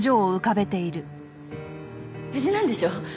無事なんでしょ？